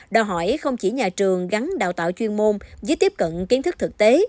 đòi hỏi không chỉ nhà trường gắn đào tạo chuyên môn với tiếp cận kiến thức thực tế